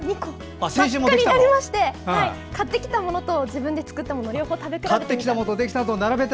真っ赤になりまして買ってきたものと自分で作ったもの両方食べ比べて。